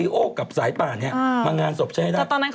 ตกลงเขาเป็นอะไร